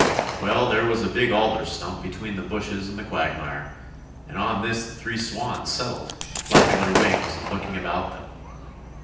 Well there was a big alder stump between the bushes and the quagmire, and on this the three swans settled, flapping their wings and looking about them.